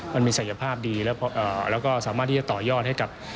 มันมีศักยภาพดีแล้วก็สามารถที่จะต่อยอดให้กับ